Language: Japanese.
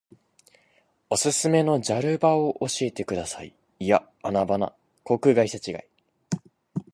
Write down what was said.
おすすめのジャル場を教えてください。いやアナ場な。航空会社違い。